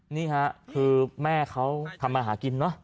นี่ค่ะคือแม่เขาทำมาหากินเนอะ